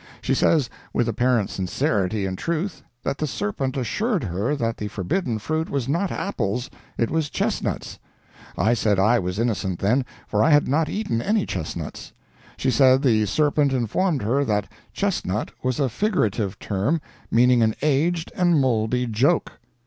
She says, with apparent sincerity and truth, that the Serpent assured her that the forbidden fruit was not apples, it was chestnuts. I said I was innocent, then, for I had not eaten any chestnuts. She said the Serpent informed her that "chestnut" was a figurative term meaning an aged and moldy joke.